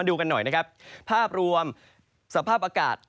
ประเภทสะพาภาพอากาศ